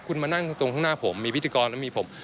คุณมานั่งตรงข้างหน้าผมมีพิธีกรแล้วมีผม